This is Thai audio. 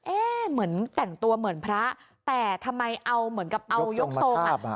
เหมือนแต่งตัวเหมือนพระแต่ทำไมเอาเหมือนกับเอายกทรงอ่ะ